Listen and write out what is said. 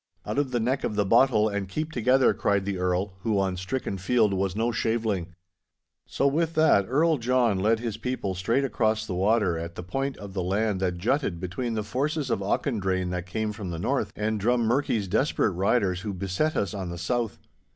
'Out of the neck of the bottle, and keep together!' cried the Earl, who on stricken field was no shaveling. So with that, Earl John led his people straight across the water at the point of the land that jutted between the forces of Auchendrayne that came from the north, and Drummurchie's desperate riders who beset us on the south.